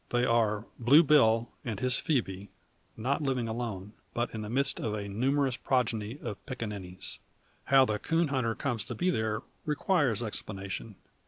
They are Blue Bill, and his Phoebe; not living alone, but in the midst of a numerous progeny of piccaninnies. How the coon hunter comes to be there requires explanation.